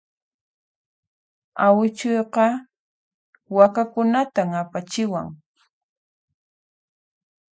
Awichayqa wayk'unatan apachiwan.